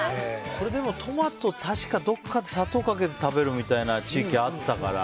でもトマト、確かどこかで砂糖をかけて食べる地域があったから。